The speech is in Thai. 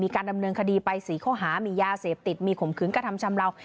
การดำเนินคดีไป๔ข้อหามียาเสพติดมีข่มขืนกระทำชำเลา